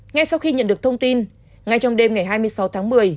ngay sau khi nhận được thông tin ngay trong đêm ngày hai mươi sáu tháng một mươi